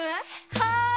はい！